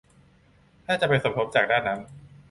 ถ้าจะไปสมทบจากด้านนั้น